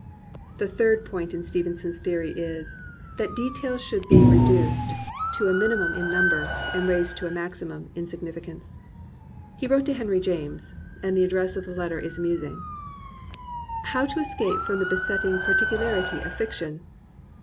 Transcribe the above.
The third point in Stevenson's theory is, that 384 AN ADVENTURER details should be reduced to a minimum in number and raised to a maximum in significance. He wrote to Henry James, (and the address of the letter is amusing,) "How to escape from the besotting par ticidarity of fiction